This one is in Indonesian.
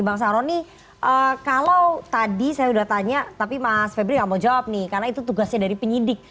bang saroni kalau tadi saya sudah tanya tapi mas febri nggak mau jawab nih karena itu tugasnya dari penyidik